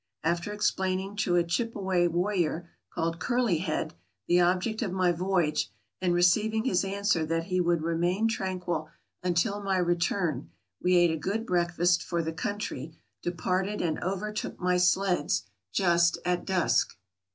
... After ex plaining to a Chipeway warrior, called Curly Head, the ob ject of my voyage, and receiving his answer that he would remain tranquil until my return, we ate a good breakfast for the country, departed and overtook my sleds just at dusk.